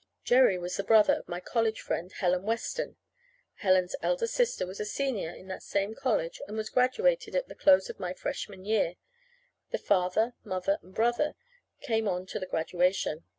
Jerry was the brother of my college friend, Helen Weston. Helen's elder sister was a senior in that same college, and was graduated at the close of my freshman year. The father, mother, and brother came on to the graduation.